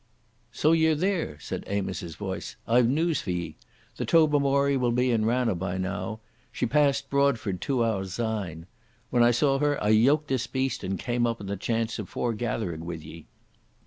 "So ye're there," said Amos's voice. "I've news for ye. The Tobermory will be in Ranna by now. She passed Broadford two hours syne. When I saw her I yoked this beast and came up on the chance of foregathering with ye."